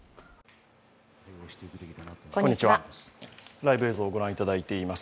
ライブ映像をご覧いただいております。